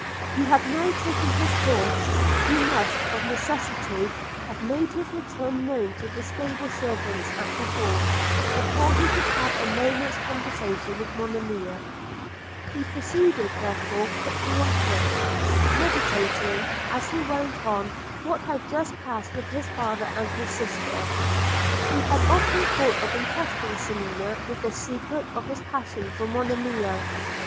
Had he now taken his horse, he must of necessity have made his return known to the stable servants at the Hall, before he could have a moment's conversation with Monimia: he proceeded therefore quickly on foot, meditating as he went on what had just passed with his father and his sister. He had often thought of entrusting Selina with the secret of his passion for Monimia.